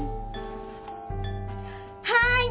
はい。